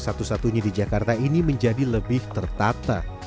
satu satunya di jakarta ini menjadi lebih tertata